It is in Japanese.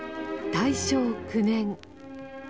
大正９年。